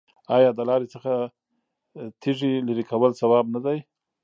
آیا د لارې څخه د تیږې لرې کول ثواب نه دی؟